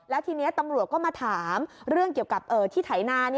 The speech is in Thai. แล้วทีนี้ตำรวจก็มาถามเรื่องเกี่ยวกับที่ไถนา